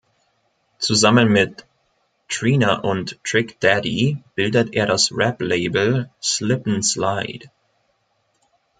Zusammen mit Trina und Trick Daddy bildet er das Rap-Label "Slip’N’Slide".